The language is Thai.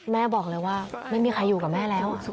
แม่บอกเลยว่าไม่มีใครอยู่กับแม่แล้ว